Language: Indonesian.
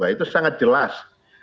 itu sangat jelas